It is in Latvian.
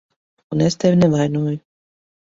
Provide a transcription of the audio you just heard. Un es tevi nevainoju.